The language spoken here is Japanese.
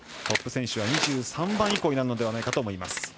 トップ選手は２３番以降になるのではないかと思います。